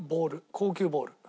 硬球ボール。